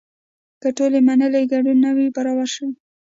که ټول منلی ګډون نه وي برابر شوی.